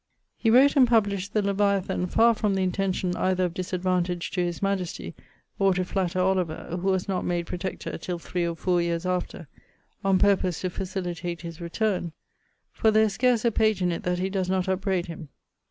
'He wrote and published the Leviathan far from the intention either of disadvantage to his majestie, or to flatter Oliver (who was not made Protector till three or four yeares after) on purpose to facilitate his returne; for there is scarce a page in it that he does not upbraid him.'